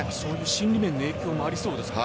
心理面の影響もありそうですね